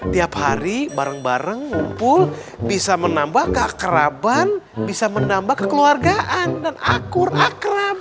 tiap hari bareng bareng ngumpul bisa menambah keakraban bisa menambah kekeluargaan dan akur akrab